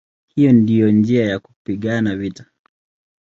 Hiyo ndiyo njia ya kupigana vita".